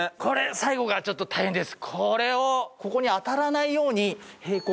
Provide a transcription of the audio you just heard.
最後がちょっと大変です。